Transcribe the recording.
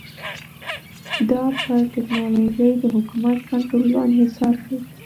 دا پر ټکنالوژۍ د حکومت کنټرول او انحصار ښيي